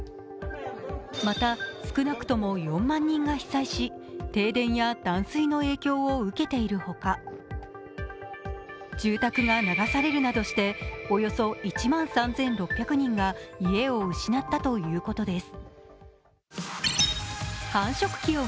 また、少なくとも４万人が被災し、停電や断水の影響を受けている他住宅が流されるなどしておよそ１万３６００人が家を失ったということです。